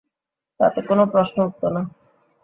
তাতে কোনো প্রশ্ন উঠতো না।